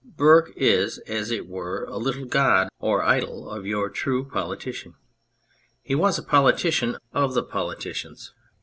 Burke is, as it were, a little god or idol of your true politician. He was a politician of the politicians.